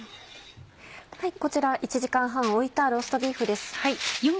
こちら１時間半置いたローストビーフです。